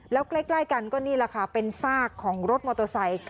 แล้วกล้ายกันก็นี่เป็นซากของรถมอเตอร์ไซค์